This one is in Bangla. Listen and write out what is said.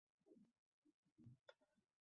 আহা, কিছু খাবার যদি হাতের কাছে থাকত!